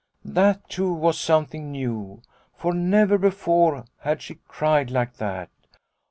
That, too, was something new, for never before had she cried like that.